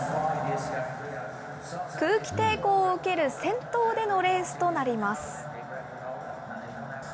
空気抵抗を受ける先頭でのレースとなります。